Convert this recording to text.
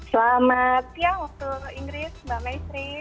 selamat ya waktu inggris mbak maistri